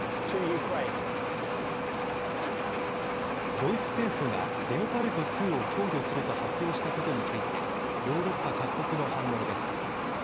ドイツ政府がレオパルト２を供与すると発表したことについてヨーロッパ各国の反応です。